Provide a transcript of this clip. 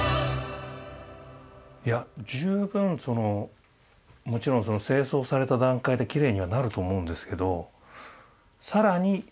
いや十分もちろん清掃された段階できれいにはなると思うんですけど更にチェックをされていく？